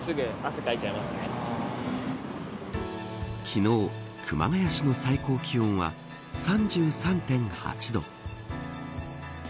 昨日、熊谷市の最高気温は３３．８度。